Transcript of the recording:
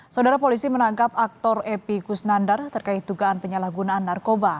saudara polisi menangkap aktor epi kusnandar terkait dugaan penyalahgunaan narkoba